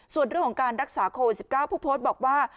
ส่วนเรื่องของการรักษาโควิด๑๙ผู้โพสต์บอกว่า